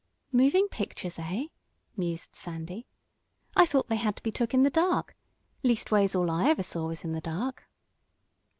"Moving pictures; eh?" mused Sandy. "I thought they had to be took in the dark. Leastways, all I ever saw was in the dark."